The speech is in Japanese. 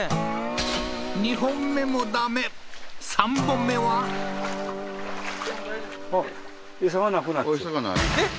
２本目もダメ３本目は？えっ？